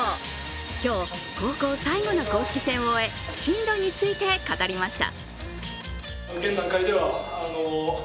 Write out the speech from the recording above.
今日高校最後の公式戦を終え進路について語りました。